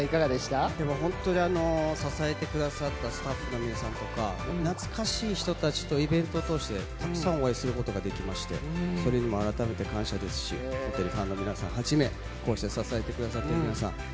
本当に支えてくださったスタッフの皆さんと懐かしい人たちとイベントを通してたくさんお会いすることができましてそれにもあらためて感謝ですしファンの皆さんはじめ支えてくださった皆さん